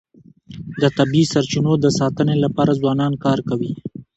د طبیعي سرچینو د ساتنې لپاره ځوانان کار کوي.